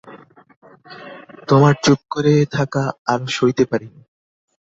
তোমার চুপ করে থাকা আরো সইতে পারি নে।